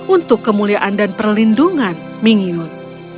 untuk kemuliaan dan perlindungan ming yun